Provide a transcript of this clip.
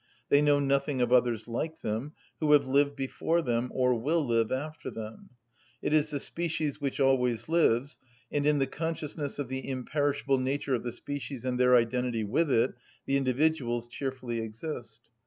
They know nothing of others like them, who have lived before them, or will live after them; it is the species which always lives, and in the consciousness of the imperishable nature of the species and their identity with it the individuals cheerfully exist.